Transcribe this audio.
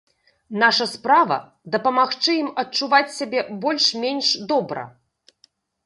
Наша справа, дапамагчы ім адчуваць сябе больш-менш добра.